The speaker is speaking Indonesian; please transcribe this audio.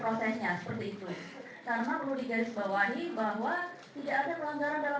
untuk pijatan hotel